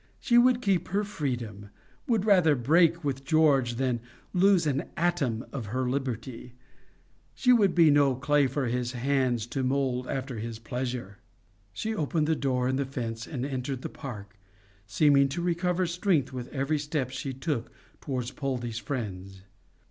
She would keep her freedom would rather break with George than lose an atom of her liberty! She would be no clay for his hands to mould after his pleasure! She opened the door in the fence and entered the park, seeming to recover strength with every step she took towards Poldie's friends.